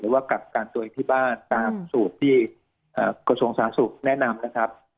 ว่ากักกันตัวเองที่บ้านตามสูตรที่กระทรวงสาธารณสุขแนะนำนะครับ